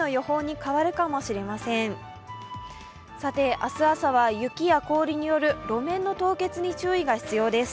明日朝は雪や氷による路面の凍結に注意が必要です。